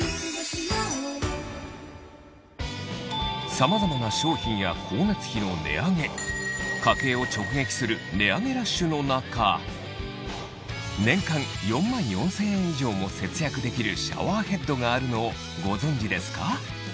さまざまな商品や光熱費の値上げ家計を直撃する値上げラッシュの中できるシャワーヘッドがあるのをご存じですか？